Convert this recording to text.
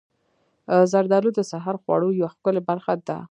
زردالو د سحر خوړو یوه ښکلې برخه ده.